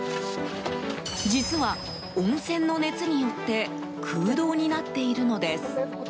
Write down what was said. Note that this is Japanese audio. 実は、温泉の熱によって空洞になっているのです。